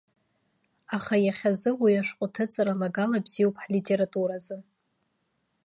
Аха иахьазы уи ашәҟәы аҭыҵра лагала бзиоуп ҳлитературазы!